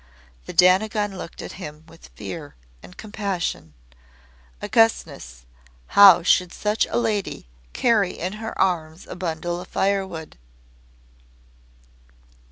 The Dainagon looked at him with fear and compassion; "Augustness, how should such a lady carry in her arms a bundle of firewood?"